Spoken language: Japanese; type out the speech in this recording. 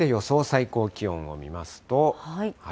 最高気温を見ますと。